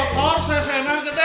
eta motor saya senang ke neng ya